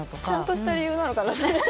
ちゃんとした理由なのかな？